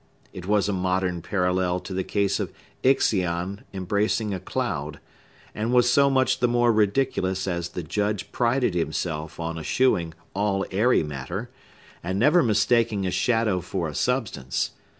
It was a modern parallel to the case of Ixion embracing a cloud, and was so much the more ridiculous as the Judge prided himself on eschewing all airy matter, and never mistaking a shadow for a substance.